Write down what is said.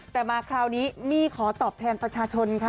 แต่มาคราวนี้มี่ขอตอบแทนประชาชนค่ะ